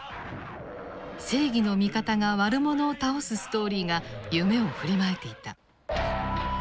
正義の味方が悪者を倒すストーリーが夢を振りまいていた。